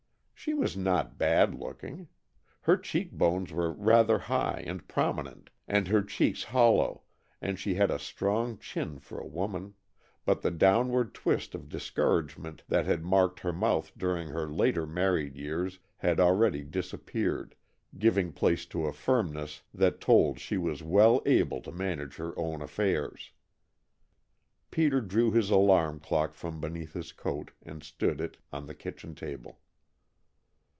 She was not bad looking. Her cheek bones were rather high and prominent and her cheeks hollow, and she had a strong chin for a woman, but the downward twist of discouragement that had marked her mouth during her later married years had already disappeared, giving place to a firmness that told she was well able to manage her own affairs. Peter drew his alarm clock from beneath his coat and stood it on the kitchen table.